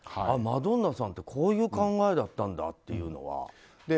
マドンナさんってこういう考えだったんだっていうのが。